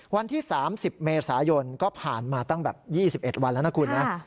วันที่๓๐เมษายนก็ผ่านมาตั้งแบบ๒๑วันแล้วนะคุณนะ